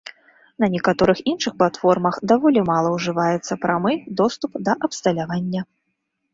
На некаторых іншых платформах даволі мала ужываецца прамы доступ да абсталявання.